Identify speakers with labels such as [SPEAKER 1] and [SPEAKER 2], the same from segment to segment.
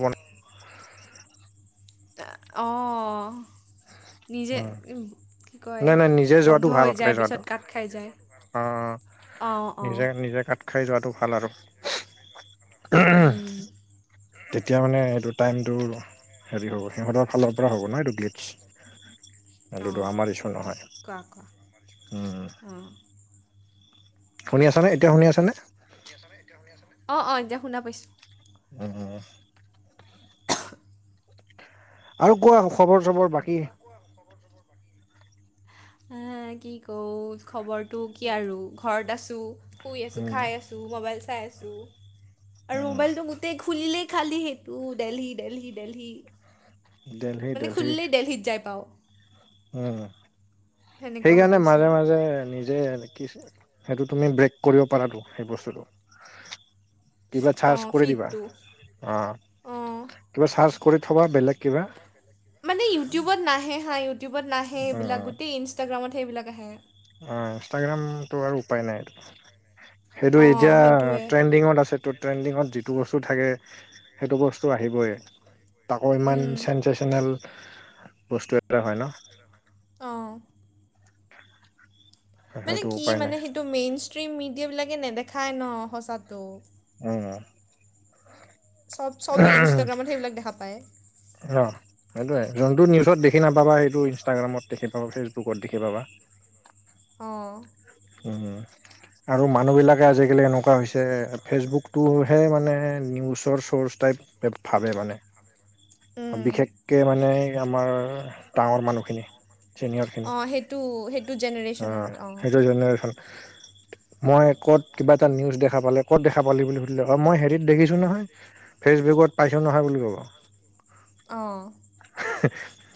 [SPEAKER 1] বন
[SPEAKER 2] অ, নিজে,
[SPEAKER 1] উম,
[SPEAKER 2] উহ্। কি কয়,
[SPEAKER 1] নাই নাই নিজে
[SPEAKER 2] বন্ধ
[SPEAKER 1] যোৱাটো ভাল
[SPEAKER 2] হৈ
[SPEAKER 1] তাতে
[SPEAKER 2] যায়,
[SPEAKER 1] যোৱাটো
[SPEAKER 2] পিছত কাট খাই যায়
[SPEAKER 1] অ',
[SPEAKER 2] অ' অ।
[SPEAKER 1] নিজে নিজে কাট খাই যোৱাটো ভাল আৰু।
[SPEAKER 2] উম,
[SPEAKER 1] তেতিয়া মানে এইটো টাইমটো, হেৰি হ'ব। সিহঁতৰ ফালৰ পৰা হ'ব 'ন, এইটো ক্লিপছ। অন্তত
[SPEAKER 2] অঁ
[SPEAKER 1] আমাৰ ইছু নহয়।
[SPEAKER 2] কোৱা,
[SPEAKER 1] উম,
[SPEAKER 2] কোৱা উম।
[SPEAKER 1] শুনি আছা নে? এতিয়া শুনি আছা নে?
[SPEAKER 2] অ' অ এতিয়া শুনা পাইছো।
[SPEAKER 1] উম হুম, আৰু কোৱা, খবৰ চবৰ বাকী?
[SPEAKER 2] আ' কি কওঁ খবৰটো কি আৰু ঘৰত আছো, শুই আছো,
[SPEAKER 1] উম,
[SPEAKER 2] খাই আছো। টো, ম'বাইল চাই আছো। আৰু
[SPEAKER 1] উম,
[SPEAKER 2] ম'বাইলটো, গোতেই খুলিলেই খালি সেইটো দেলহি, দেলহি, দেলহি।
[SPEAKER 1] দেলহি
[SPEAKER 2] মানে
[SPEAKER 1] দেলহি
[SPEAKER 2] খুলিলেই দেলহিত যাই পাওঁ।
[SPEAKER 1] উম'
[SPEAKER 2] সেনেকুৱা হৈ
[SPEAKER 1] সেইকাৰণে
[SPEAKER 2] গৈছে
[SPEAKER 1] মাজে, মাজে নিজে এন কিচ। সেইটো তুমি ব্ৰেক কৰিব পাৰাতো। সেই বস্তুটো। কিবা, চাৰ্জ
[SPEAKER 2] অঁ
[SPEAKER 1] কৰি দিবা।
[SPEAKER 2] ফিডটো
[SPEAKER 1] অ
[SPEAKER 2] অঁ
[SPEAKER 1] 'কিবা চাৰ্জ কৰি থবা বেলেগ কিবা।
[SPEAKER 2] মানে ইউটিউবত নাহে হাঁ, ইউটিউবত নাহে। এইবিলাক
[SPEAKER 1] উম,
[SPEAKER 2] গোটেই ইনষ্টাগ্ৰামতহে, এইবিলাক আহে।
[SPEAKER 1] অ' ইনষ্টাগ্ৰামটো আৰু উপায় নাই এইটো। সেইটো
[SPEAKER 2] অ
[SPEAKER 1] এতিয়া
[SPEAKER 2] সেইটোৱে
[SPEAKER 1] ট্ৰেণ্ডিঙত আছে টোত। ট্ৰেণ্ডিঙত যিটো বস্তু থাকে, সেইটো বস্তু আহিবই। তাকো ইমান চেনচেচেনেল বস্তু এটা হয় ন!
[SPEAKER 2] অঁ। মানে,
[SPEAKER 1] সেইটো
[SPEAKER 2] কি
[SPEAKER 1] উপায় নাই
[SPEAKER 2] মানে, সেইটো মেইনষ্ট্ৰিম মিডিয়াবিলাকে নেদেখায় 'ন' সঁচাটো।
[SPEAKER 1] উম,
[SPEAKER 2] চব, চবেই ইনষ্টাগ্ৰামতহে সেইবিলাক দেখা পায়।
[SPEAKER 1] ৰ। সেইটোৱে, যোনটো নিউজত দেখি নাপাবা। সেইটো ইনষ্টাগ্ৰামত দেখি পাবা, ফেচবুকত দেখি পাবা।
[SPEAKER 2] অঁ।
[SPEAKER 1] উম, উম। আৰু মানুহবিলাকে আজিকালি এনেকুৱা হৈছে, ফেচবুকটোহে মানে নিউজৰ চ'ৰ্চ টাইপ [unintelligible] ভাবে মানে। বিশেষকে মানে আমাৰ গাঁৱৰ মানুহখিনি। চিনিয়ৰ খিনি
[SPEAKER 2] অ', সেইটো, সেইটো জেনেৰেচনৰ অ'।
[SPEAKER 1] জেনেৰেচন মই ক'ত কিবা এটা নিউজ দেখা পালে, ক'ত দেখা পালি বুলি সুধিলে, মই হেৰিত দেখিছোঁ নহয়। ফেচবুকত পাইছোঁ নহয় বুলি ক'ব।
[SPEAKER 2] অঁ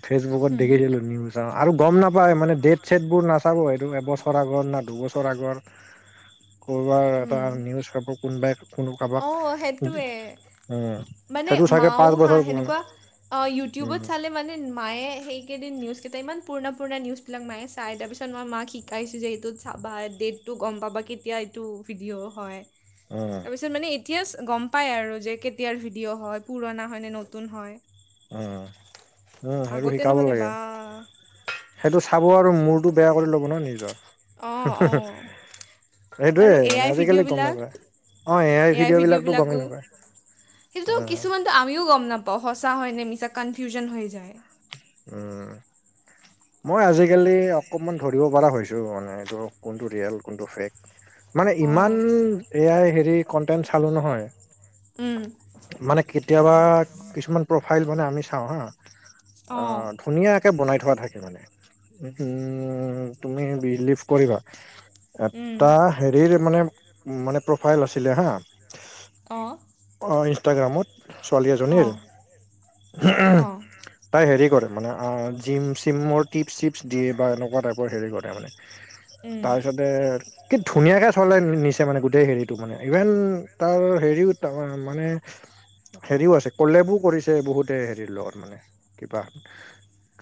[SPEAKER 1] ফেচবুকত
[SPEAKER 2] উম,
[SPEAKER 1] দেখিছিলোঁ নিউ অ' আৰু গম নাপায় মানে ডেট চেট বোৰ নাচাব, এইটো এবছ ৰ, আগৰ না দুবছৰ আগৰ। ক'ৰবাৰ এটা নিউজ পাব, কোনোবাই কোনো কাৰোবাক
[SPEAKER 2] অ', সেটোৱে,
[SPEAKER 1] উম
[SPEAKER 2] মানে
[SPEAKER 1] সেইটো চাগে
[SPEAKER 2] মায়ো
[SPEAKER 1] পাঁচ
[SPEAKER 2] হা
[SPEAKER 1] বছৰ পুৰণা
[SPEAKER 2] হেনেকুৱা। অ',
[SPEAKER 1] উম
[SPEAKER 2] ইউটিউবত চালে মানে মায়ে সেইকেইদিন নিউজকেইটা ইমান পুৰণা পুৰণা নিউজবিলাক মায়ে চায়, তাৰপিছত মই মাক শিক শিকাইছোঁ যে এইটোত চাবা, ডেটটো গম পাবা, কেতিয়া এইটো ভিডিঅ' হয়।
[SPEAKER 1] অঁ।
[SPEAKER 2] পিছত মানে এতিয়া গম পাই আৰু যে কেতিয়াৰ ভিডিঅ' হয়, পুৰণা হয় নে নতুন হয়।
[SPEAKER 1] উম, উম, সেইটোত
[SPEAKER 2] আগতে
[SPEAKER 1] শিকাব
[SPEAKER 2] নহ'লে
[SPEAKER 1] লাগে।
[SPEAKER 2] বা
[SPEAKER 1] সেইটো চাব আৰু মূৰটো বেয়া কৰি ল'ব ন নিজৰ।
[SPEAKER 2] অ', অ'
[SPEAKER 1] সেইটোয়ে
[SPEAKER 2] আৰু এ
[SPEAKER 1] মানে
[SPEAKER 2] আই
[SPEAKER 1] আজিকালি
[SPEAKER 2] ভিডিঅ'
[SPEAKER 1] গম
[SPEAKER 2] বিলাক।
[SPEAKER 1] নাপায় অ
[SPEAKER 2] এ আই ভিডিঅ'
[SPEAKER 1] বিলাকতো গমেই
[SPEAKER 2] বিলাকো,
[SPEAKER 1] নাপায়
[SPEAKER 2] কিন্তু
[SPEAKER 1] উম
[SPEAKER 2] কিছুমান টো আমিও গম নাপাওঁ, সঁচা হয় নে মিছা। কনফিউজন হৈ যায়।
[SPEAKER 1] উম, মই আজিকালি অকমান ধৰিব পাৰা হৈছ এইটো মানে এইটো কোনটো ৰিয়েল কোনটো ফেক। মানে ইমান
[SPEAKER 2] অঁ
[SPEAKER 1] এ আই হেৰি কণ্টেণ্ট চালোঁ নহয়।
[SPEAKER 2] উম
[SPEAKER 1] মানে কেতিয়াবা কিছুমান প্ৰফাইল মানে আমি চাওঁ হা।
[SPEAKER 2] অঁ
[SPEAKER 1] অ', ধুনীয়া কে, বনাই থোৱা থাকে মানে, উম তুমি বিলিভ কৰিবা?
[SPEAKER 2] উম
[SPEAKER 1] এটা হেৰিৰ মানে মানে প্ৰফাইল আছিলে হা।
[SPEAKER 2] অঁ।
[SPEAKER 1] অঁ ইনষ্টাগ্ৰামত, ছোৱালী
[SPEAKER 2] অঁ
[SPEAKER 1] এজনীৰ। তাই হেৰি কৰে, মানে আ জিম চিমৰ টিপছ চিপছ দিয়ে বা এনেকুৱা টাইপৰ হেৰি কৰে মানে। তাৰপিছতে কি ধুনীয়াকে চলে নিচে মানে গোটেই হেৰিত টো মানে। ইভেন তাৰ হেৰিও তা মানে হেৰিও আছে কলেবো কৰিছে বহুতে হেৰি লগত মানে কিবা।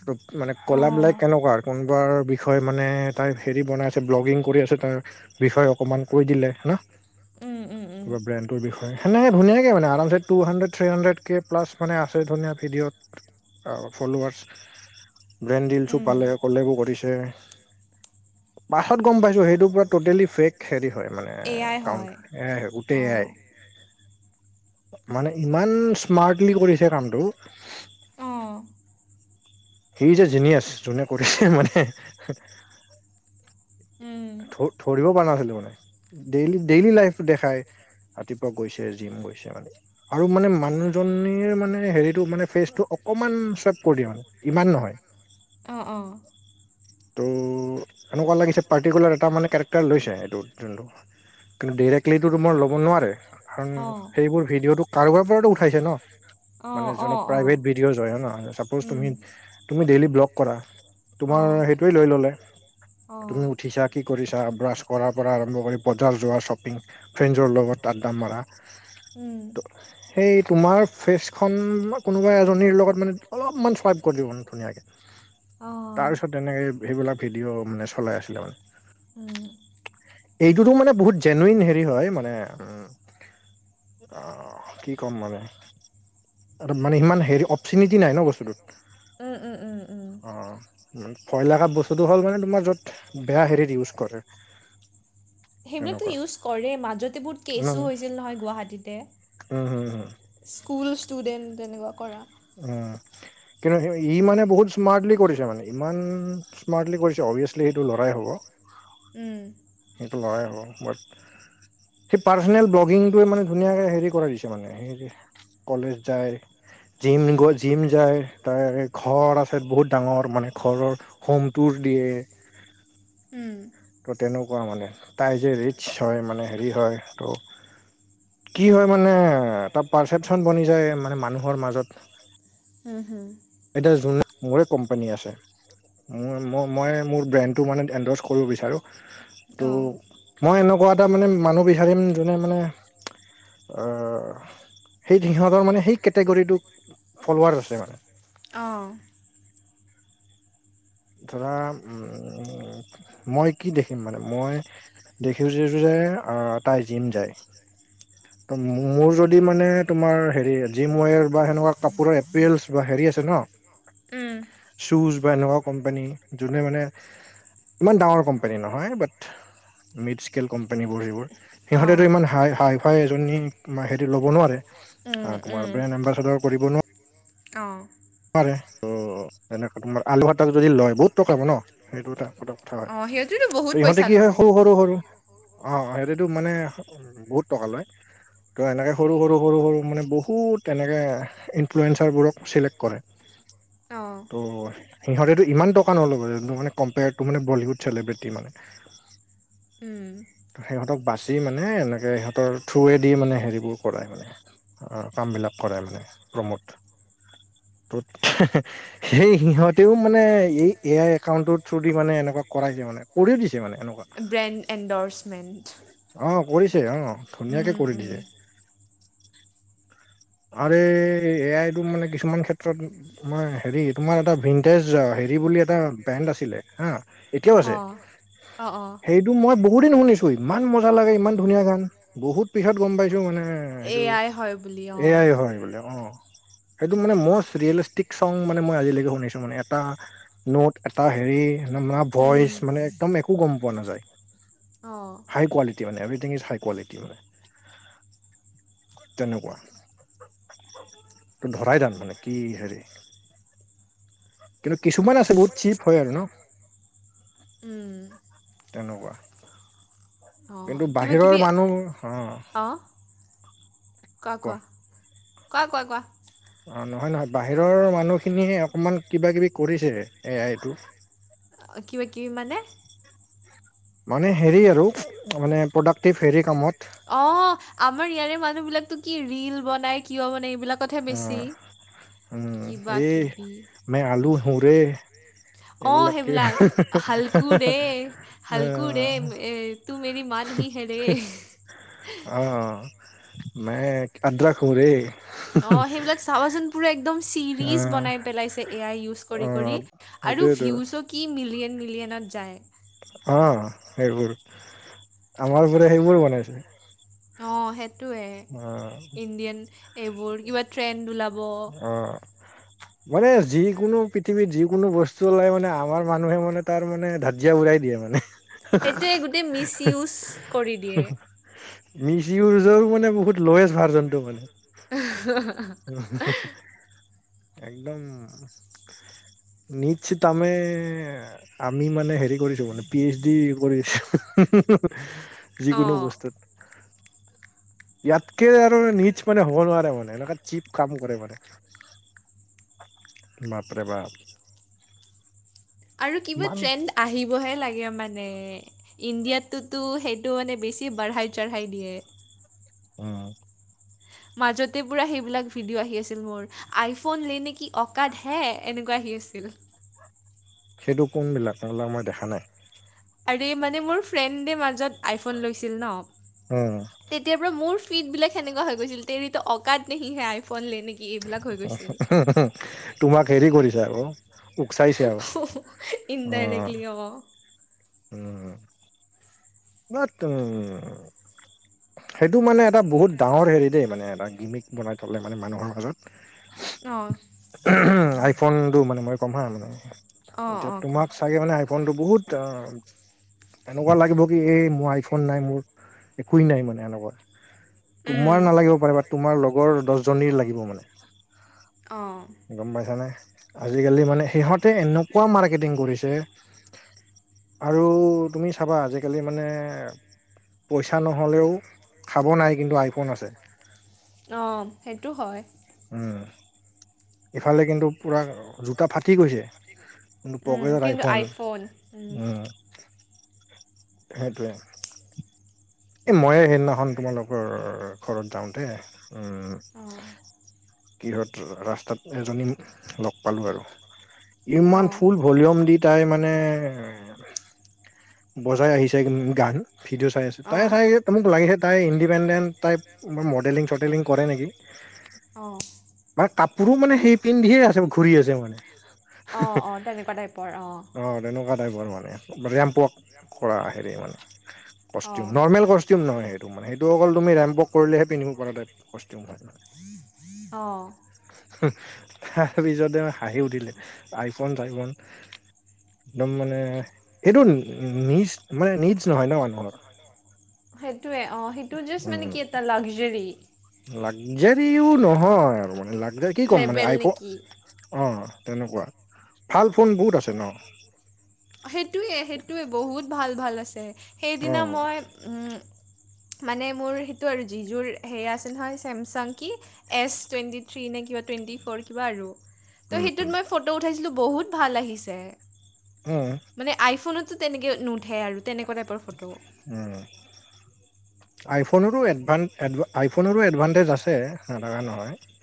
[SPEAKER 1] ত' মানে
[SPEAKER 2] অঁ
[SPEAKER 1] কলাবলাক কেনেকুৱা কোনোবাৰ বিষয়ে মানে তাই হেৰি বনাই আছে ব্লগিং কৰি আছে তাৰ বিষয়ে অকমান কৈ দিলে না।
[SPEAKER 2] উম, উম।
[SPEAKER 1] কিবা ব্ৰেণ্ডটোৰ বিষয়ে, সেনেকে ধুনীয়াকে মানে আৰামছে টু হাণ্ড্ৰেড, থ্ৰী হানণ্ড্ৰেড কে প্লাছ মানে আছে ধুনীয়া ভিডিঅ [inaudible] আ [unintelligible] ব্ৰেণ্ড দিলচো পালে, কলেবু কৰিছে। পাছত গম পাইছোঁ? সেইটোৰ পৰা টোটেলি ফেক হেৰি হয় মানে
[SPEAKER 2] এয়াই হয়
[SPEAKER 1] কাউন্ত এহ গোটেই
[SPEAKER 2] অঁ
[SPEAKER 1] মানে ইমান স্মাৰ্টলি কৰিছে কামটো।
[SPEAKER 2] অ'।
[SPEAKER 1] He is a genius! যেন যোনে কৰিছে মানে।
[SPEAKER 2] উম।
[SPEAKER 1] ধৰিব পৰা নাই মানে, ডেইলি, ডেইলি লাইফ দেখাই, ৰাতিপুৱা গৈছে, জিম কৰিছে মা আৰু মানে মানুহজনীৰ মানে হেৰিটো মানে ফেচ টো অকমান চেপ কৰি মানে ইমান নহয়!
[SPEAKER 2] অ', অ'।
[SPEAKER 1] ত', এনেকুৱা লাগিছে, পাৰ্টিকুলাৰ এটা মানে কেৰেক্টাৰ লৈছে, এইটো যোনটো কিন্তু ডিৰেক্টলিটো তোমাৰ ল'ব নোৱাৰে! কাৰণ
[SPEAKER 2] অঁ অঁ
[SPEAKER 1] সেইবোৰ ভিডিঅ'টো কাৰোবাৰ পৰাতো উঠাইছে ন! মানে
[SPEAKER 2] অঁ
[SPEAKER 1] প্ৰাইভেট ভিডিঅ' হয় ন, চাপোচ তুমি ডেইলি ব্লগ কৰা তোমাৰ
[SPEAKER 2] অঁ
[SPEAKER 1] সেইটোৱে লৈ ল'লে,
[SPEAKER 2] অঁ অঁ
[SPEAKER 1] তুমি উঠিছা কি কৰিছা, ব্ৰাছ কৰাৰ পৰা আৰম্ভ কৰি বজাৰ যোৱা, শ্বপিং ফ্ৰেণ্জৰ লগত আড্ডা মৰা।
[SPEAKER 2] উম।
[SPEAKER 1] সেই তোমাৰ ফেচখন, কোনোবা এজনীৰ লগত মানে অলপমান চ্ৱাইপ কৰি দিব ধুনীয়াকে, তাৰপিছত তেনেকে সেইবিলাক ভিডিঅ' মানে চলাই আছিলে মানে।
[SPEAKER 2] উম।
[SPEAKER 1] এইটোতো মানে বহুত জেনুইন হেৰি হয়, মানে উম অ, কি কম মানে? আৰু মানে ইমান হেৰি অপচুনিটি নাই ন বস্তুটোত।
[SPEAKER 2] উম, উম, উম, উম।
[SPEAKER 1] অ ভয় লাগাত বস্তুটো হ'ল মানে, তোমাৰ য'ত বেয়া হেৰিত ইউজ কৰে।
[SPEAKER 2] সেইবিলাকতো
[SPEAKER 1] তেনেকুৱা
[SPEAKER 2] ইউজ কৰে, মাজতে বহুত
[SPEAKER 1] উম
[SPEAKER 2] কেছো হৈছিল নহয় গুৱাহাটীতে।
[SPEAKER 1] উম।
[SPEAKER 2] স্কুল ষ্টুডেণ্ট, তেনেকুৱা কৰা।
[SPEAKER 1] উম, কিন্তু ই মানে বহুত স্মাৰ্টলি কৰিছে মানে, ইমান স্মাৰ্টলি কৰিছে, অভিয়াচলি সেইটো ল'ৰাই হ'ব,
[SPEAKER 2] উম,
[SPEAKER 1] সেইটো ল'ৰাই হ'ব, বাট সি পাৰ্চনেল ব্লগিংটোৱে মানে ধুনীয়াকৈ হেৰি কৰাই দিছে মানে, সেই যে কলেজ যায় জিম গৈ জিম যায়, তাৰ ঘৰ আছে বহুত ডাঙৰ, মানে ঘৰৰ হোম টুৰ দিয়ে।
[SPEAKER 2] উম।
[SPEAKER 1] ত', তেনেকোৱা মানে, তাই যে ৰিচ হয় মানে, হেৰি হয় ত' কি হয় মানে, এটা পাৰ্চেপচন বনি যায় মানে মানুহৰ মাজত।
[SPEAKER 2] উম, উম।
[SPEAKER 1] এতিয়া যোন মোৰে কোম্পানী আছে ম, ম, মই মোৰ ব্ৰেনটো মানে এন্ড্ৰচ কৰিব বিচাৰো।
[SPEAKER 2] অঁ
[SPEAKER 1] ত', মই এনেকোৱা এটা মানে মানুহ বিচাৰিম যোনে মানে আহ, সেই সিহঁতৰ মানে সেই কেটেগৰীটো ফলোৱাৰ আছে মানে।
[SPEAKER 2] অঁ।
[SPEAKER 1] ধৰা, উম, মই কি দেখিম, মানে মই দেখি আছো যে, আ, তাই জিম যায়। ত, মোৰ যদি মানে তোমাৰ হেৰি জিমৱেৰ বা সেনেকুৱা কাপোৰৰ এপ্ৰীয়েলছ্ বা হেৰি আছে ন
[SPEAKER 2] উম।
[SPEAKER 1] শুজ বা এনেকুৱা কোম্পানী, যোনে মানে ইমান ডাঙৰ কোম্পোনী নহয়, বাট, মিড স্কেল কোম্পনীবোৰ সেইবোৰ। সিহঁতেটো
[SPEAKER 2] অঁ
[SPEAKER 1] ইমান হাই, হাই-ফাই এজনী মাহে লৱ নোৱাৰে
[SPEAKER 2] উম
[SPEAKER 1] আ তোমাৰ
[SPEAKER 2] উম
[SPEAKER 1] ব্ৰেন্ড এম্বাচেদাৰ কৰিব নো
[SPEAKER 2] অঁ
[SPEAKER 1] ৱাৰে ত এনে তোমাৰ আলু [unintelligible] যদি লয় বহুত টকা ন সেইটো এটা কথা
[SPEAKER 2] অঁ
[SPEAKER 1] হয়,
[SPEAKER 2] সিহঁতেতো বহুত
[SPEAKER 1] ত
[SPEAKER 2] পইচা
[SPEAKER 1] ইহঁতে কি হয়
[SPEAKER 2] লয়
[SPEAKER 1] সৰু সৰু সৰু অঁ সেইটোতো মানে বহুত টকা লয় ত এনেকৈ সৰু সৰু সৰু সৰু মানে বহুত তেনেকৈ ইনফ্লুৱেঞ্চাৰবোৰক চিলেক্ট কৰে [inaudible]
[SPEAKER 2] অঁ
[SPEAKER 1] ত' সিহঁতেতো ইমান টকা নল'ব যোনটো মানে কম্পেয়াৰটো মানে বলিউড চেলিব্ৰেটি মানে
[SPEAKER 2] উম
[SPEAKER 1] সিহঁতক বাচি মানে এনেকে সিহঁতৰ থ্ৰুৱে দি মানে হেৰিবোৰ কৰাই মানে। আহ কাম বিলাক কৰায় মানে প্ৰমোদ ত সেই সিহঁতেও মানে এই এ আই একাউণ্টৰ থ্ৰো দি মানে এনেকুৱা কৰাই যে মানে কৰিও দিছে মানে এনেকোৱা।
[SPEAKER 2] Brand endorsement.
[SPEAKER 1] অঁ কৰিছে অহ ধুনীয়াকে কৰি
[SPEAKER 2] উম
[SPEAKER 1] দিছে। আৰে এ আই টো মানে কিছুমান ক্ষেত্ৰত তোমাৰ হেৰি তোমাৰ এটা ভিন্টেজ হেৰি বুলি এটা ব্ৰেণ্ড আছিলে হা এতিয়াও আছে,
[SPEAKER 2] অঁ অঁ অঁ
[SPEAKER 1] সেইটো মই ব হুদিন শুনিছো ইমান মজা লাগে ইমান ধুনীয়া গান বহুত পিছত গম পাইছো মানে এ সেইটো
[SPEAKER 2] এয়াই হয় বুলি
[SPEAKER 1] এ
[SPEAKER 2] অঁ
[SPEAKER 1] আই হয় বোলে অঁ সেইটো মানে মষ্ট ৰিয়েলিষ্টিক চং মানে মই আজিলৈকে শুনিছো মানে এটা নোট এটা হেৰি মানে
[SPEAKER 2] উম
[SPEAKER 1] ভইচ মানে একদম একো গম পোৱা নাযায়।
[SPEAKER 2] অঁ।
[SPEAKER 1] হাই কোৱালিটি মানে এভেৰীথিং ইজ হাই কোৱালিটি মানে তেনেকুৱা। ত ধৰাই টান মানে কি হেৰি কিন্তু কিছুমান আছে বহুত চিপ হয় আৰু ন।
[SPEAKER 2] উম।
[SPEAKER 1] তেনেকুৱা
[SPEAKER 2] অঁ
[SPEAKER 1] কিন্তু
[SPEAKER 2] কিবা
[SPEAKER 1] বাহিৰৰ
[SPEAKER 2] কিবি,
[SPEAKER 1] মানুহ অ
[SPEAKER 2] অঁ। কোৱা কোৱা, কোৱা কোৱা কোৱা।
[SPEAKER 1] অ নহয় নহয় বাহিৰৰ মানুহখিনিয়ে অকমান কিবা কিবি কৰিছে এ আইটো
[SPEAKER 2] অ কিবা কিবি মানে?
[SPEAKER 1] মানে হেৰি আৰু মানে প্ৰডাক্টিভ হেৰি কামত।
[SPEAKER 2] অঁহ আমাৰ ইয়াৰে মানুহ বিলাকতো কি ৰিল বনাই কিয় বনাই এইবিলা কতহে
[SPEAKER 1] অ
[SPEAKER 2] বেছি
[SPEAKER 1] উম
[SPEAKER 2] কিবা
[SPEAKER 1] এই
[SPEAKER 2] কিবি।
[SPEAKER 1] মে আলু হোঁ ৰে
[SPEAKER 2] অঁ
[SPEAKER 1] এইবিলাক কি
[SPEAKER 2] সেইবিলাক হালকুৰে
[SPEAKER 1] অ
[SPEAKER 2] হালকুৰে এ তু মেৰি মানহি হে ৰে
[SPEAKER 1] অঁ মে আদৰাক হোঁ ৰে।
[SPEAKER 2] অ সেইবিলাক চাবাচোন পুৰা একদম
[SPEAKER 1] অ
[SPEAKER 2] চিৰিজ বনাই পেলাইছে এ আই ইউজ
[SPEAKER 1] অ
[SPEAKER 2] কৰি কৰি। আৰু
[SPEAKER 1] সেইটোৱেতো
[SPEAKER 2] ভিউজত কি মিলিয়ন মিলিয়নত যায়।
[SPEAKER 1] অঁ সেইবোৰ আমাৰ বোৰে সেইবোৰ বনাইছে।
[SPEAKER 2] অ সেইটোৱে,
[SPEAKER 1] অ
[SPEAKER 2] ইণ্ডিয়ান এইবোৰ কিবা ট্ৰেণ্ড ওলা
[SPEAKER 1] অঁ। মানে যি কোনো পৃথিৱীত যি কোনো বস্তু ওলাই মানে আমাৰ মানুহে মানে তাৰ মানে ধা যিয়া উৰাই দিয়ে মানে।
[SPEAKER 2] সেইটোৱে গোটেই মিছ ইউজ কৰি দিয়ে
[SPEAKER 1] মিছ ইউজৰ মানে বহুত ল'য়েষ্ট ভাৰ্জনটো মানে।
[SPEAKER 2] [inaudible]
[SPEAKER 1] একদম নি [unintelligible] আমি মানে হেৰি কৰিছোঁ মানে পি এইচ ডি কৰিছোঁ যিকোনো
[SPEAKER 2] অ',
[SPEAKER 1] বস্তুত ইয়াতকে আৰু নিজ মানে হ'ব নোৱাৰে মানে এনেকুৱে চিপ কাম কৰে মানে বাপ ৰে বাপ
[SPEAKER 2] আৰু কিবা
[SPEAKER 1] ইমান
[SPEAKER 2] ট্ৰেণ্ড আহিবহে লাগে মানে ইণ্ডিয়াতটোতো সেইটো মানে বেছি বাঢ়াই চাঢ়াই দিয়ে।
[SPEAKER 1] উম,
[SPEAKER 2] মাজতে পূৰা সেইবিলাক ভিডিঅ' আহি আছিল মোৰ আইফোন লে নেকি অকাত হে এনেকুৱা আহি আছিল।
[SPEAKER 1] সেইটো কোনবিলাক তাৰমানে মই দেখা নাই।
[SPEAKER 2] আৰে মানে মোৰ ফ্ৰেণ্ডে মাজত আইফোন লৈছিল ন'
[SPEAKER 1] উম,
[SPEAKER 2] তেতিয়াৰ পৰা মোৰ ফিড বিলাক সেনেকুৱা হৈ গৈছিল তেৰি ত' অকাত নেহিহে আইফোন লে নেকি এইবিলাক হৈ গৈছিল
[SPEAKER 1] তোমাক হেৰি কৰিছে আকৌ উকচাইছে আৰু অ',
[SPEAKER 2] অ',
[SPEAKER 1] উম, মাত, উম, সেইটো মানে এটা বহুত ডাঙৰ হেৰি দেই, মানে এটা গিমিক বনাই থ'লে মানে মানুহৰ মাজত।
[SPEAKER 2] অ',
[SPEAKER 1] উম, হুম, আইফোনটো মানে, মই কম হা মানে
[SPEAKER 2] অঁ
[SPEAKER 1] এতিয়া
[SPEAKER 2] অঁ কোৱা
[SPEAKER 1] তোমাক চাগে মানে আইফোনটো বহুত অ', এনেকুৱা লাগিব কি এ মোৰ আইফোন নাই মোৰ, একোৱেই নাই মানে, এনেকুৱা। তোমাৰ নালাগিব পাৰে বা তোমাৰ লগৰ দশজনীৰ লাগিব মানে।
[SPEAKER 2] অ',
[SPEAKER 1] গম পাইছানে? আজিকালি মানে, সিহঁতে এনেকুৱা মাৰ্কেটিং কৰিছে আৰু তুমি চাবা, যে আজিকালি মানে, পইচা নহ'লেও খাব নাই, কিন্তু আইফোন আছে।
[SPEAKER 2] অ', সেইটো হয়।
[SPEAKER 1] উম, ইফালে কিন্তু পুৰা জোতা ফাটি গৈছে কিন্তু পকেটত আইফোন, উম, সেইটোৱে। এ' মইয়ে সেইদিনাখন তোমালোকৰ ঘৰত যাওঁতে,
[SPEAKER 2] অঁ
[SPEAKER 1] উম কিহত ৰাস্তাত এজনী লগ পালোঁ আৰু। ইমান
[SPEAKER 2] অঁ
[SPEAKER 1] ফুল ভলিউম দি তাই মানে বজাই আহিছে গান, ভিডিঅ' চাই আছে তাই
[SPEAKER 2] অঁ
[SPEAKER 1] চাগে ত' মোক লাগিছে, তাই ইণ্ডিপেণ্ডেণ্ট, তাই মডেলি-চডেলিং কৰে নেকি
[SPEAKER 2] অ',
[SPEAKER 1] বা কাপোৰো মানে সেই পিন্ধিয়ে আছে, ঘূৰি আছে মানে। হে
[SPEAKER 2] অঁ
[SPEAKER 1] হে
[SPEAKER 2] অঁ তেনেকুৱা টাইপৰ অঁ
[SPEAKER 1] অহ এনেকুৱা টাইপৰ মানে ৰেম্প ৱাক কৰা হেৰি মানে কষ্টিম
[SPEAKER 2] অঁ
[SPEAKER 1] নৰ্মেল কষ্টিউম নহয় এই টো মানে সেইটো অকল তুমি ৰেম্প ৱাক কৰিলেহে পিন্ধিব পাৰ তাইপ কষ্টিম হয় মানে
[SPEAKER 2] অহ
[SPEAKER 1] হি, তাৰপিছতে হাঁহি উঠিলে, আইফোন-চাইফোন একদম মানে, এইটো নিডছ, মানে নিডছ নহয় ন' মানুহৰ
[SPEAKER 2] সেইটোৱে অ', সেইটো জাষ্ট মানে
[SPEAKER 1] উম
[SPEAKER 2] কি এটা লাগজৰী
[SPEAKER 1] লাগজাৰীও নহয় আৰু মানে লাগজাৰী কি ক'ম মানে,
[SPEAKER 2] লেবেল নেকি
[SPEAKER 1] ‌আইফন অহ, তেনেকুৱা ভাল ফোন বহুত আছে ন
[SPEAKER 2] সেইটোৱে সেইটোৱে, বহুত ভাল ভাল আছে।
[SPEAKER 1] অ
[SPEAKER 2] সেইদিনা মই ম' মানে মোৰ সেইটো আৰু, জী জোঁৰ হেয়া আছে নহয়, চেমচাং কি এছ টুৱেণ্টি থ্ৰী নে কিবা টুৱেণ্টি ফ'ৰ কিবা আৰু ত'
[SPEAKER 1] উম
[SPEAKER 2] সেইটোত মই ফটো উঠাইছিলোঁ, বহুত ভাল আহিছে
[SPEAKER 1] হয়
[SPEAKER 2] মানে আইফোনতো তেনেকে নুঠে আৰু তেনেকুৱা টাইপৰ ফটো
[SPEAKER 1] উম আইফোনৰো এডভান, এডভ, আইফোনৰো এডভানটেজ আছে নাথাকা নহয়